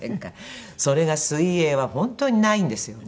それが水泳は本当にないんですよね。